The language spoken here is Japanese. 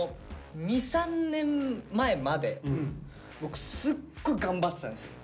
２３年前まで僕すっごい頑張ってたんですよ。